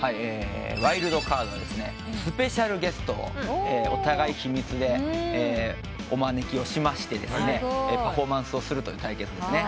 ワイルドカードはスペシャルゲストをお互い秘密でお招きをしましてパフォーマンスをするという対決ですね。